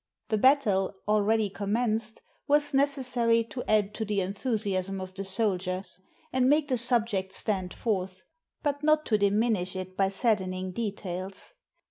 ... The battle, al ready commenced, was necessary to add to the enthusiasm of the soldiers, and make the subject stand forth, but not to diminish it by saddening details.